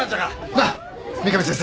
なあ三上先生。